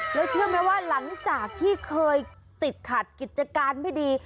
แล้วเชื่อไหมว่าหลังจากที่เคยติดขัดกิจการไม่ดี